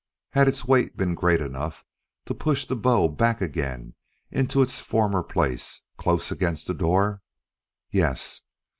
Had its weight been great enough to push the bow back again into its former place close against the door? Yes.